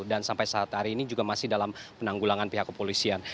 dan sampai saat hari ini juga masih dalam penanggulangan pihak kepolisian